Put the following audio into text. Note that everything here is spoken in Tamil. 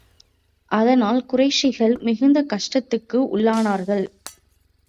அதனால், குறைஷிகள் மிகுந்த கஷ்டத்துக்கு உள்ளானார்கள்.